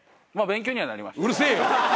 うるせえよ！